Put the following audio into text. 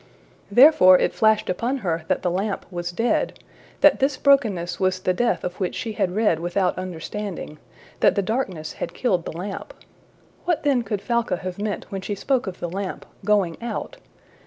Therefore it flashed upon her that the lamp was dead, that this brokenness was the death of which she had read without understanding, that the darkness had killed the lamp. What then could Falca have meant when she spoke of the lamp going out?